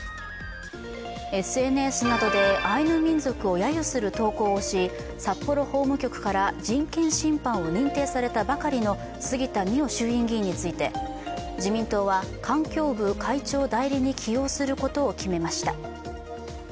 ＳＮＳなどでアイヌ民族をやゆする投稿をし、札幌法務局から人権侵犯を認定されたばかりの杉田水脈衆院議員について自民党は、環境部会長代理に起用することを決めました。